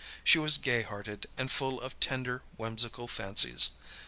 She was gay hearted and full of tender, whimsical fancies.